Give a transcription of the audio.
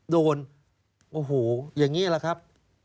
โดนโอ้โหอย่างนี้แหละครับ